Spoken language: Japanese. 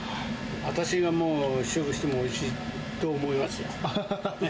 私がもう、試食してもおいしいと思いますよ。